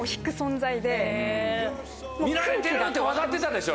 見られてるって分かってたでしょ？